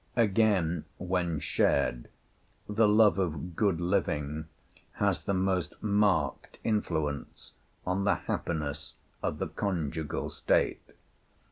Again, when shared, the love of good living has the most marked influence on the happiness of the conjugal state.